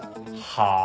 はあ？